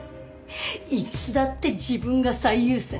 いつだって自分が最優先。